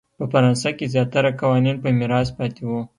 په فرانسه کې زیاتره قوانین په میراث پاتې وو.